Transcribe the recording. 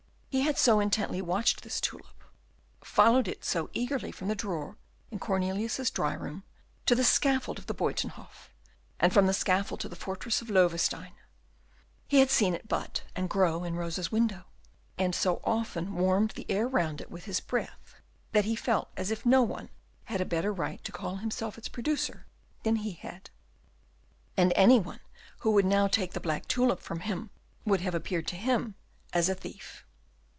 He had so intently watched this tulip, followed it so eagerly from the drawer in Cornelius's dry room to the scaffold of the Buytenhof, and from the scaffold to the fortress of Loewestein; he had seen it bud and grow in Rosa's window, and so often warmed the air round it with his breath, that he felt as if no one had a better right to call himself its producer than he had; and any one who would now take the black tulip from him would have appeared to him as a thief.